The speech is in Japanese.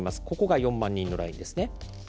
ここが４万人のラインですね。